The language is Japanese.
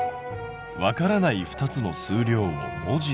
「わからない２つの数量を文字で表す」。